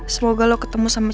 semoga lo ketemu sama